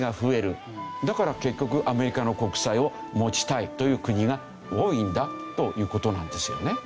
だから結局アメリカの国債を持ちたいという国が多いんだという事なんですよね。